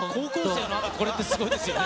これって、すごいですよね。